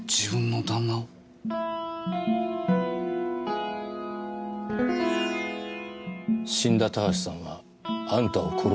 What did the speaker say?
死んだ田橋さんはあんたを殺そうと計画してた。